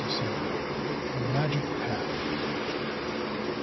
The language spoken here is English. LXVII. THE MAGIC PATH.